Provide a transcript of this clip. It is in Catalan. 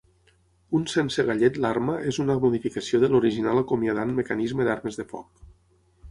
Un sense gallet l'arma és una modificació de l'original acomiadant mecanisme d'armes de foc.